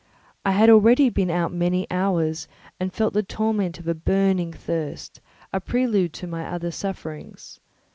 I had already been out many hours and felt the torment of a burning thirst, a prelude to my other sufferings.